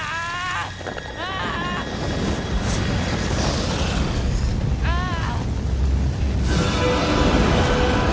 ああああ！